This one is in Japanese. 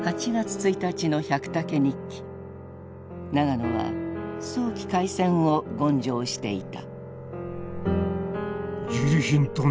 永野は早期開戦を言上していた。